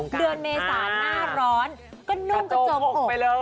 เดือนเมษาหน้าร้อนก็นุ่มก็จมหก